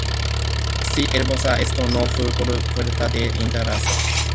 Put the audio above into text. Sin embargo, esto no fue por falta de intentos.